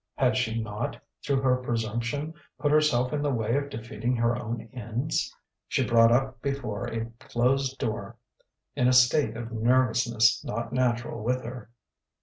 Had she not, through her presumption, put herself in the way of defeating her own ends? She brought up before a closed door in a state of nervousness not natural with her.